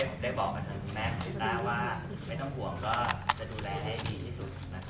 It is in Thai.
ก็ได้บอกอันดับแม่ของตาว่าไม่ต้องห่วงก็จะดูแลให้ดีที่สุดนะคะ